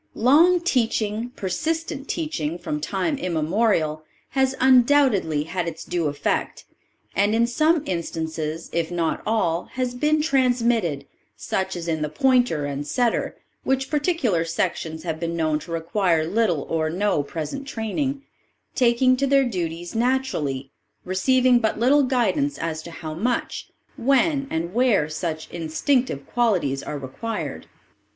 Long teaching, persistent teaching from time immemorial has undoubtedly had its due effect, and in some instances, if not all, has been transmitted, such as in the pointer and setter, which particular sections have been known to require little or no present training, taking to their duties naturally, receiving but little guidance as to how much, when, and where such instinctive qualities are required.